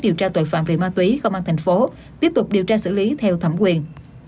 điều tra tội phạm về ma túy công an thành phố tiếp tục điều tra xử lý theo thẩm quyền